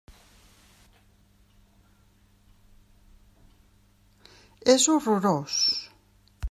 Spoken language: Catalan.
És horrorós.